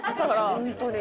本当に。